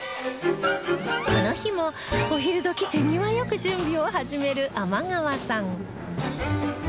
この日もお昼時手際よく準備を始める天川さん